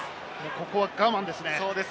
ここは我慢ですね。